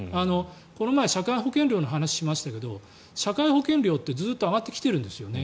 この前社会保険料の話しましたが社会保険料ってずっと上がってきてるんですよね。